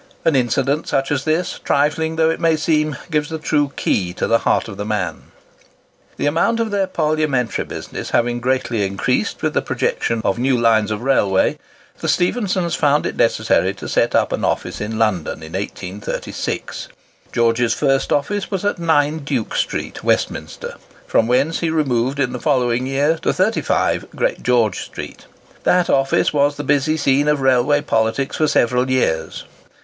An incident such as this, trifling though it may seem, gives the true key to the heart of the man. The amount of their Parliamentary business having greatly increased with the projection of new lines of railway, the Stephensons found it necessary to set up an office in London in 1836. George's first office was at 9, Duke Street, Westminster, from whence he removed in the following year to 30½, Great George street. That office was the busy scene of railway politics for several years.